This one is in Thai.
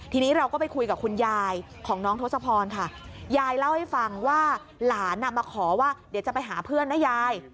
ทีนี้เราก็ไปคุยกับคุณยายของน้องทศพรค่ะยายเล่าให้ฟังว่าหลานมาขอว่าเดี๋ยวจะไปหาเพื่อนนะยาย